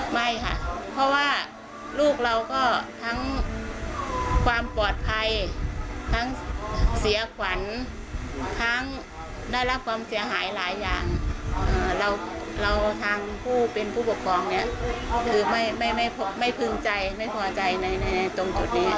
ไม่ค่ะเพราะว่าลูกเราก็ทั้งความปลอดภัยทั้งเสียขวัญทั้งได้รับความเสียหายหลายอย่างเราทางผู้เป็นผู้ปกครองเนี่ยคือไม่พึงใจไม่พอใจในตรงจุดนี้